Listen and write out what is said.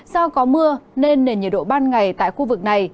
do có mưa nên nền nhiệt độ ban ngày tại khu vực này